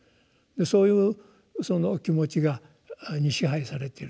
そういうその気持ちに支配されていると。